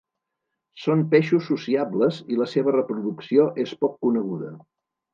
Són peixos sociables i la seva reproducció és poc coneguda.